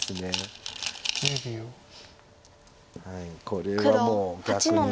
これはもう逆に。